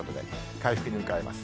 回復に向かいます。